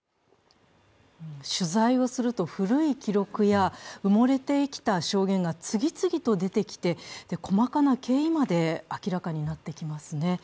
取材をすると古い記録や埋もれてきた証言が次々と出てきて、細かな経緯まで明らかになってきますね。